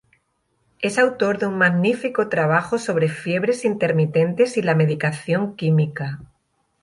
Es autor de un magnífico trabajo sobre fiebres intermitentes y la medicación química.